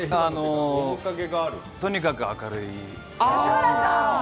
とにかく明るい。